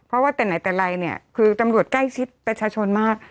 เพราะว่าแต่ไหนแต่ไรเนี่ยคือตำรวจใกล้ชิดประชาชนมาก